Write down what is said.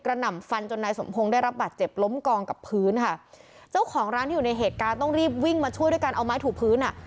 หน่ำฟันจนนายสมพงศ์ได้รับบาดเจ็บล้มกองกับพื้นค่ะเจ้าของร้านที่อยู่ในเหตุการณ์ต้องรีบวิ่งมาช่วยด้วยการเอาไม้ถูกพื้นอ่ะ